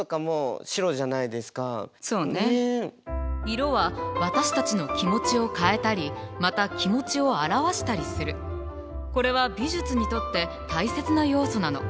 色は私たちの気持ちを変えたりまた気持ちを表したりするこれは美術にとって大切な要素なの。